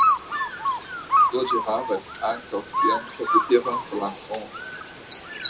Do ĝi havas ankaŭ sian pozitivan flankon.